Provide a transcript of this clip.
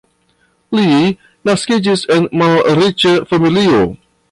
Li naskiĝis en malriĉa familio.